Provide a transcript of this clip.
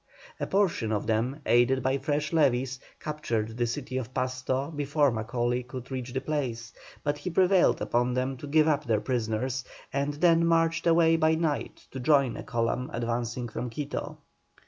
A portion of them, aided by fresh levies, captured the city of Pasto before Macaulay could reach the place, but he prevailed upon them to give up their prisoners, and then marched away by night to join a column advancing from Quito.